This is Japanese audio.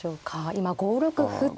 今５六歩と。